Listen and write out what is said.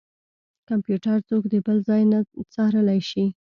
کمپيوټر څوک د بل ځای نه څارلی شي.